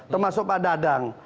termasuk pak dadang